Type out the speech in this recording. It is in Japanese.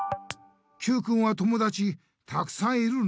Ｑくんは友だちたくさんいるの？